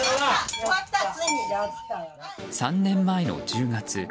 ３年前の１０月。